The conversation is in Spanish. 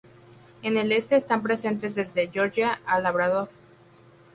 En el este están presentes desde Georgia a Labrador.